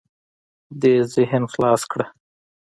دې ذهن خلاص کړه.